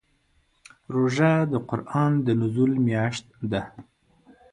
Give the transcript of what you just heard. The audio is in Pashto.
روژه د قرآن د نزول میاشت ده.